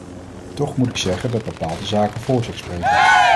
Toch moet ik zeggen dat bepaalde zaken voor zich spreken.